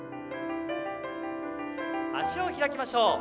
脚を開きましょう。